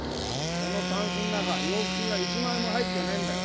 このタンスの中洋服が１枚も入ってねえんだよ。